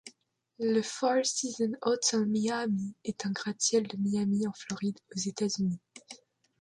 Le Four Seasons Hotel Miami est un gratte-ciel de Miami, en Floride, aux États-Unis.